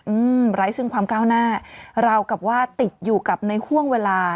อืมไร้ซึ่งความก้าวหน้าเรากับว่าติดอยู่กับในห่วงเวลา